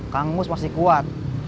kang mus masih kuat